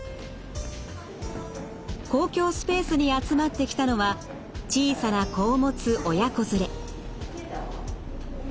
公共スペースに集まってきたのは小さな子を持つ親子連れ。